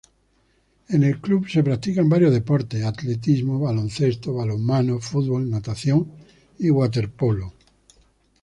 En el club se practican varios deportes: atletismo, baloncesto, balonmano, fútbol, natación y waterpolo.